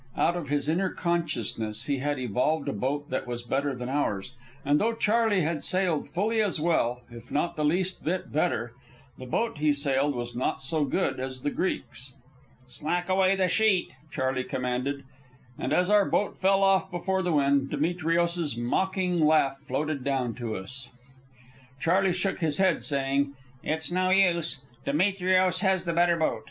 Out of his inner consciousness he had evolved a boat that was better than ours. And though Charley sailed fully as well, if not the least bit better, the boat he sailed was not so good as the Greek's. "Slack away the sheet," Charley commanded; and as our boat fell off before the wind, Demetrios's mocking laugh floated down to us. Charley shook his head, saying, "It's no use. Demetrios has the better boat.